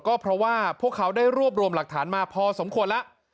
ก็เพราะว่าพวกเขาได้รวบรวมหลักฐานมาพอสมควรแล้ว